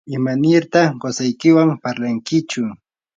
¿imanirtaq qusaykiwan parlankichu?